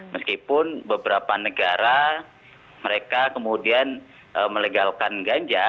meskipun beberapa negara mereka kemudian melegalkan ganja